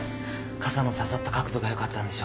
傘の刺さった角度がよかったんでしょう。